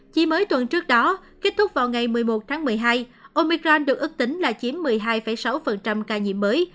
chỉ mới tuần trước đó kết thúc vào ngày một mươi một tháng một mươi hai omicran được ước tính là chiếm một mươi hai sáu ca nhiễm mới